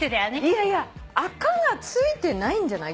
いやいやあかが付いてないんじゃない？